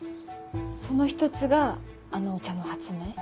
その一つがあのお茶の発明？